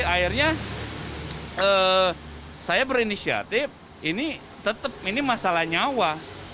akhirnya saya berinisiatif ini tetap ini masalah nyawa